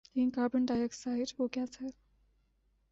لیکن carbon dioxide وہ gas ہے